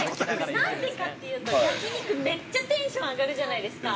◆なんでかっていうと焼き肉、めっちゃテンション上がるじゃないですか。